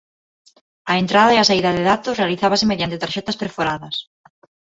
A entrada e a saída de datos realizábase mediante tarxetas perforadas.